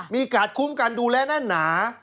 มีกาดคุมการดูแลนานหนา